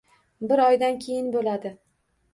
Bir oydan keyin bo`ladi